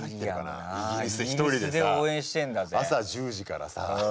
朝１０時からさ。